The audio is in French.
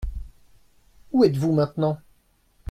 Où êtes-vous maintenant ?